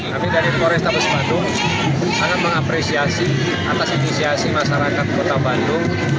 kami dari polrestabes bandung sangat mengapresiasi atas inisiasi masyarakat kota bandung